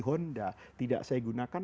honda tidak saya gunakan